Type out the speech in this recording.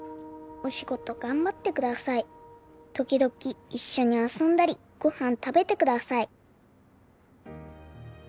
「おしごとがんばってください」「ときどきいっしょにあそんだりごはんたべてください」